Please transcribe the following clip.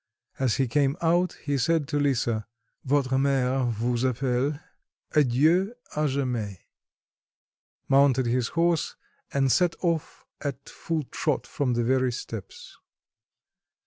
As he came out, he said to Lisa: "Votre mère vous appelle; adieu à jamais,"... mounted his horse, and set off at full trot from the very steps.